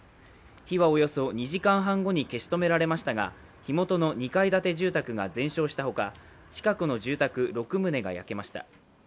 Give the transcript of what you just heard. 火はおよそ２時間半後に消し止められましたが、火元の２階建て住宅が全焼したほか、近くの住宅６棟が焼けました。